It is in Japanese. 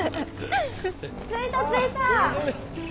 着いた着いた。